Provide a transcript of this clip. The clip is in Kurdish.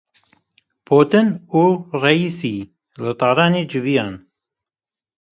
Putin û Reîsî li Tehranê civiyan.